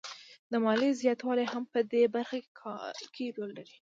د ماليې زیاتوالی هم په دې برخه کې رول لري